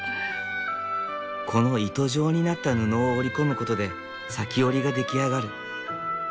この糸状になった布を織り込むことで裂き織りが出来上がる。